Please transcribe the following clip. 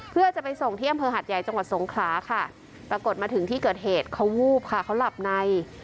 เพื่อจะไปส่งที่อำเภอหัดใหญ่จังหวัดสงขลาค่ะปรากฏมาถึงที่เกิดเหตุเขาวูบค่ะเขาหลับใน